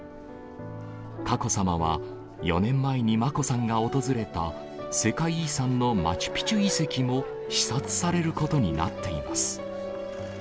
佳子さまは４年前に眞子さんが訪れた世界遺産のマチュピチュ遺跡も視察されることになっています。